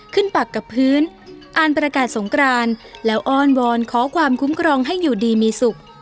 ปักกับพื้นอ่านประกาศสงกรานแล้วอ้อนวอนขอความคุ้มครองให้อยู่ดีมีสุข